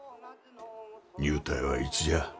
入隊はいつじゃあ？